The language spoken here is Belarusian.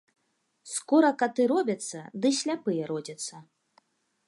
Скора каты робяцца, ды сляпыя родзяцца